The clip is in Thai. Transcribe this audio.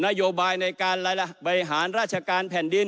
นโยบายในการบริหารราชการแผ่นดิน